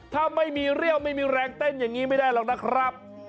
ถ้าไม่มีเรี่ยวไม่มีแรงเต้นอย่างนี้ไม่ได้หรอกนะครับ